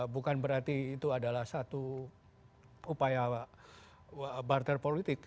bukan berarti itu adalah satu upaya barter politik